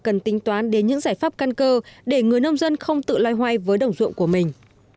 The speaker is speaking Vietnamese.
cần tính toán đến những giải pháp căn cơ để người nông dân không tự loay hoay với đồng ruộng của mình